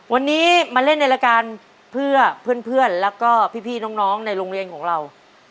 วันนี้มาเล่นในรายการเพื่อเพื่อนแล้วก็พี่น้องในโรงเรียนของเรา